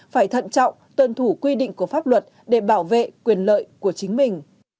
phải thận trọng tuân thủ quy định của pháp luật để bảo vệ quyền lợi của chính mình